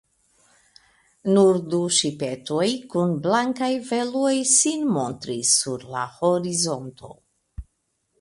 Nur du ŝipetoj kun blankaj veloj sin montris sur la horizonto.